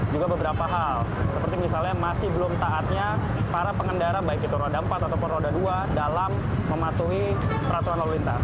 juga beberapa hal seperti misalnya masih belum taatnya para pengendara baik itu roda empat ataupun roda dua dalam mematuhi peraturan lalu lintas